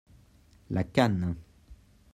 La cane.